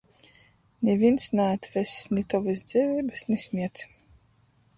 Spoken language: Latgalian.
Nivīns naatvess ni tovys dzeiveibys, ni smierts.